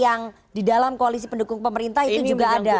yang di dalam koalisi pendukung pemerintah itu juga ada